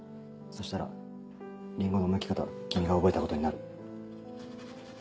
そしたらリンゴのむき方は君が覚えたことになる。